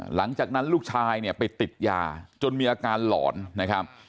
หลังจากนั้นลูกชายเนี่ยไปติดยาจนมีอาการหลอนนะครับ